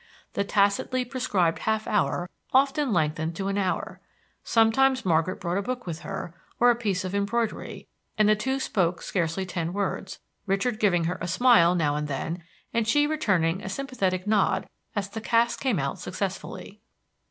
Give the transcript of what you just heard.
The tacitly prescribed half hour often lengthened to an hour. Sometimes Margaret brought a book with her, or a piece of embroidery, and the two spoke scarcely ten words, Richard giving her a smile now and then, and she returning a sympathetic nod as the cast came out successfully.